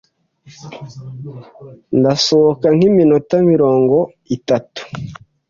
Ndasohoka nk'iminota mirongo itatu.